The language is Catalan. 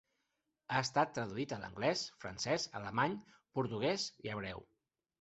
Ha estat traduït a l'anglès, francès, alemany, portuguès i hebreu.